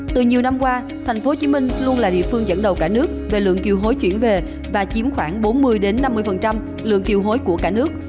từ nhiều năm qua tp hcm luôn là địa phương dẫn đầu cả nước về lượng kiều hối chuyển về và chiếm khoảng bốn mươi năm mươi lượng kiều hối của cả nước